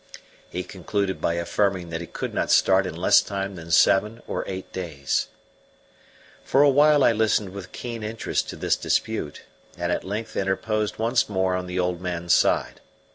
He concluded by affirming that he could not start in less time than seven or eight days. For a while I listened with keen interest to this dispute, and at length interposed once more on the old man's side.